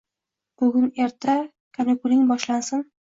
Bugun-erta kanikuling boshlansin